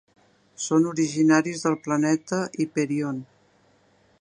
Són originaris del planeta Hyperion.